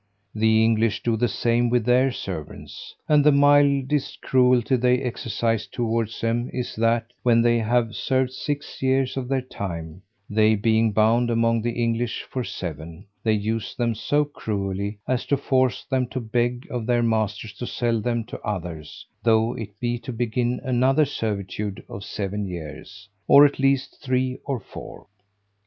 The English do the same with their servants; and the mildest cruelty they exercise towards them is, that when they have served six years of their time (they being bound among the English for seven) they use them so cruelly, as to force them to beg of their masters to sell them to others, though it be to begin another servitude of seven years, or at least three or four.